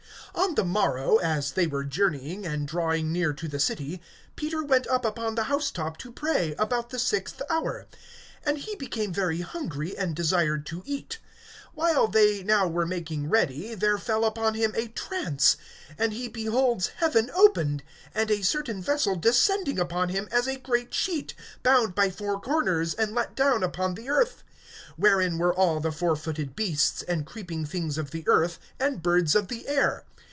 (9)On the morrow, as they were journeying, and drawing near to the city, Peter went up upon the house top to pray, about the sixth hour. (10)And he became very hungry, and desired to eat. While they now were making ready, there fell upon him a trance; (11)and he beholds heaven opened, and a certain vessel descending upon him, as a great sheet, bound by four corners, and let down upon the earth; (12)wherein were all the fourfooted beasts and creeping things of the earth, and birds of the air.